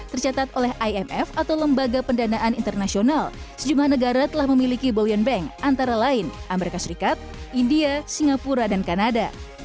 tercatat oleh imf atau lembaga pendanaan internasional sejumlah negara telah memiliki bullyan bank antara lain amerika serikat india singapura dan kanada